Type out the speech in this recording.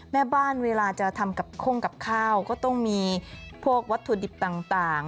แม่บ้านเวลาจะทำกับข้งกับข้าวก็ต้องมีพวกวัตถุดิบต่าง